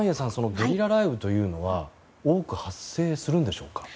ゲリラ雷雨というのは多く発生するんでしょうか？